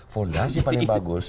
fondasi paling bagus